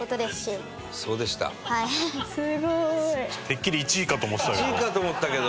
てっきり１位かと思ってたけど。